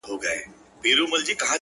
کندهاری زده چي وای پکتيا سره خبرې وکړه’